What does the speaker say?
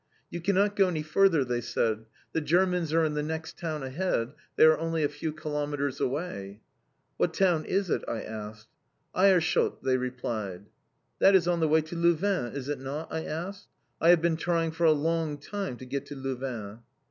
"You cannot go any further," they said. "The Germans are in the next town ahead; they are only a few kilometres away." "What town is it?" I asked. "Aerschot," they replied. "That is on the way to Louvain, is it not?" I asked. "I have been trying for a long time to get to Louvain!"